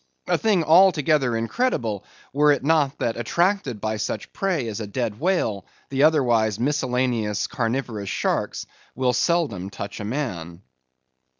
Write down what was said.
A thing altogether incredible were it not that attracted by such prey as a dead whale, the otherwise miscellaneously carnivorous shark will seldom touch a man.